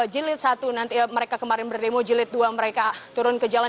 jilid satu nanti mereka kemarin berdemo jilid dua mereka turun ke jalan